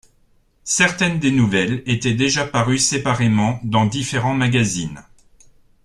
Certaines des nouvelles étaient déjà parues séparément dans différents magazines.